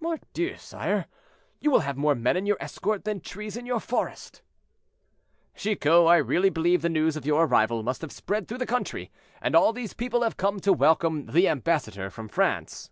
"Mordieu! sire, you will have more men in your escort than trees in your forest." "Chicot, I really believe the news of your arrival must have spread through the country, and all these people have come to welcome the ambassador from France."